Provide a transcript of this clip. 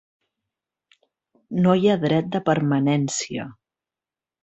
No hi ha dret de permanència.